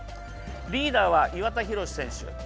リーダーは岩田寛選手。